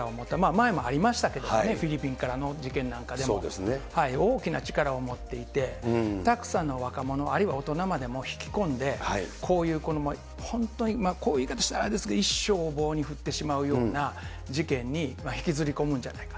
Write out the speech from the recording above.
前もありましたけどね、フィリピンからの事件なんかでも、大きな力を持っていて、たくさんの若者、あるいは大人までも引き込んで、こういう本当に、こういう言い方したらあれですけど、一生を棒に振ってしまうような事件に引きずり込むんじゃないか。